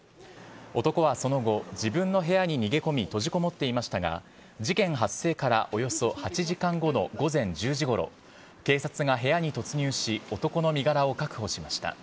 男はその後、自分の部屋に逃げ込み、閉じこもっていましたが、事件発生からおよそ８時間後の午前１０時ごろ、警察が部屋に突入し、男の身柄を確保しました。